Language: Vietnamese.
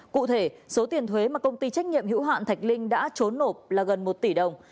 cụ thể số tiền thuế mà công ty trách nhiệm hữu hạn thạch linh đã trốn nộp là gần một tỷ đồng